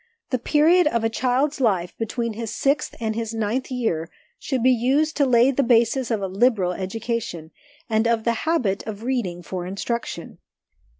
The period of a child's life between his sixth and his ninth year should be used to lay the basis of a liberal education, and of the habit of reading for instruction.